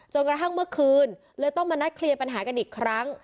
กระทั่งเมื่อคืนเลยต้องมานัดเคลียร์ปัญหากันอีกครั้ง